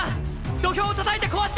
土俵をたたいて壊して！